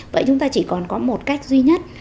vậy chúng ta chỉ còn có một cách duy nhất